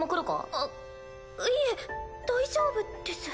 あっいえ大丈夫です。